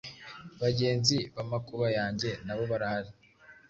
Bagenzi bamakuba yanjye nabo barahari